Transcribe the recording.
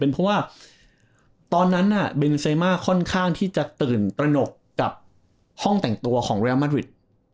เพราะว่าตอนนั้นเบนเซมาค่อนข้างที่จะตื่นตระหนกกับห้องแต่งตัวของเรียลมัดวิด